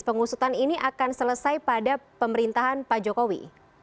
pengusutan ini akan selesai pada pemerintahan pak jokowi